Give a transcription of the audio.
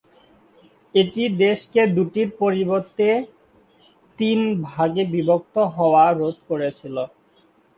এটি দেশকে দুটির পরিবর্তে তিন ভাগে বিভক্ত হওয়া রোধ করেছিল।